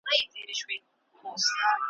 پنهان مي راز د میني دئ.